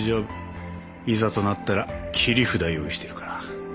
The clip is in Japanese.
いざとなったら切り札用意してるから。